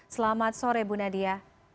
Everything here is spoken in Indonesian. selamat sore bu nadia